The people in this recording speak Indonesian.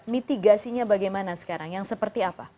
mitigasinya bagaimana sekarang yang seperti apa